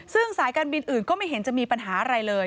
ซึ่งสายการบินอื่นก็ไม่เห็นจะมีปัญหาอะไรเลย